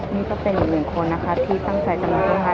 นี่ก็เป็นอีกหนึ่งคนที่ตั้งใจจะมาที่นี่